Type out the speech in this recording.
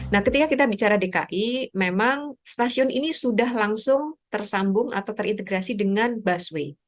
nah ketika kita bicara dki memang stasiun ini sudah langsung tersambung atau terintegrasi dengan busway